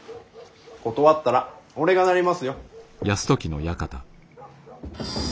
断ったら俺がなりますよ。